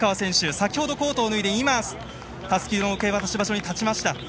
先ほどコートを脱いでたすきの受け渡し場所に立ちました。